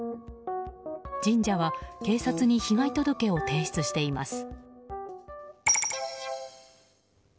神社は、警察に被害届を提出しています。